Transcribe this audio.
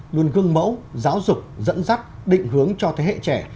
luôn gương mẫu giáo dục dẫn dắt định hướng cho thế hệ trẻ